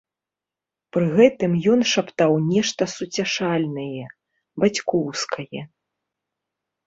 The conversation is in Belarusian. Пры гэтым ён шаптаў нешта суцяшальнае, бацькоўскае.